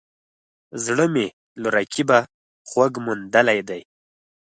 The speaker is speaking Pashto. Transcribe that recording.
زړه مې له رقیبه خوږ موندلی دی